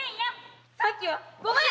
さっきはごめん！